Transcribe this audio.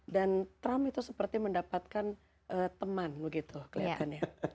dan trump itu seperti mendapatkan teman begitu kelihatannya